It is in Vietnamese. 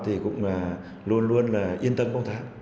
thì cũng luôn luôn yên tâm công tác